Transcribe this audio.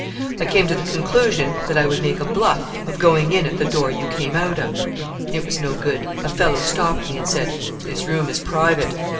I came to the conclusion that I would make a bluff of going in at the door you came out of. It was no good; a fellow stopped me and said, 'This room is private.'